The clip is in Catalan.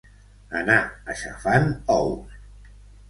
Anar aixafant ous.